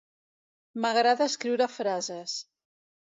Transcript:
M'agrada escriure frases.